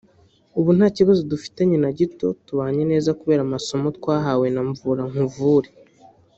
ubu nta kibazo dufitanye na gito tubanye neza kubera amasomo twahawe na Mvura nkuvure